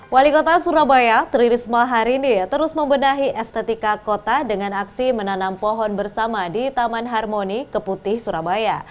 wali kota surabaya tririsma hari ini terus membenahi estetika kota dengan aksi menanam pohon bersama di taman harmoni keputih surabaya